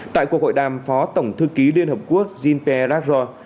tại cuộc hội đàm phó tổng thư ký liên hợp quốc jinpe latro